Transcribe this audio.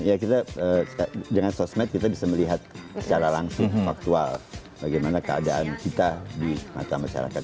ya kita dengan sosmed kita bisa melihat secara langsung faktual bagaimana keadaan kita di mata masyarakat